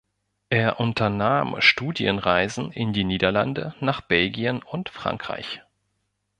Er unternahm Studienreisen in die Niederlande, nach Belgien und Frankreich.